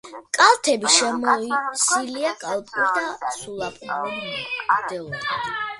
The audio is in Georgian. კალთები შემოსილია ალპური და სუბალპური მდელოებით.